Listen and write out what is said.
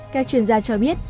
các chuyên gia cho biết